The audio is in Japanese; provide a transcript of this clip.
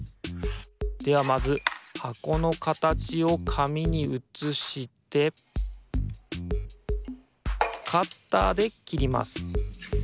ではまずはこのかたちをかみにうつしてカッターできります。